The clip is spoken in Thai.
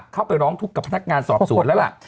เข้าไปร้องทุกข์กับพนักงานสอบสวนแล้วล่ะ